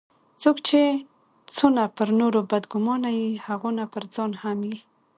څوک چي څونه پر نورو بد ګومانه يي؛ هغونه پرځان هم يي.